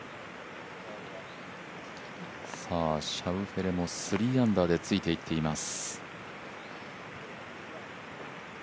シャウフェレも３アンダーでついて行っています。